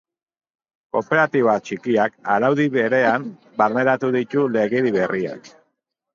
Kooperatiba txikiak araudi berean barneratu ditu legedi berriak.